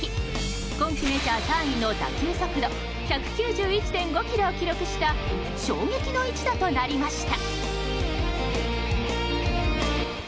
今季メジャー３位の打球速度１９１．５キロを記録した衝撃の一打となりました。